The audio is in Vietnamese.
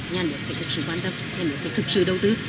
nhà nước phải thực sự quan tâm nhà nước phải thực sự đầu tư